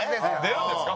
出るんですか？